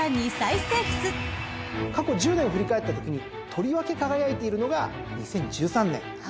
過去１０年を振り返ったときにとりわけ輝いているのが２０１３年。